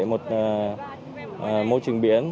một môi trường biển